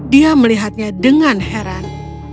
dia melihatnya dengan heran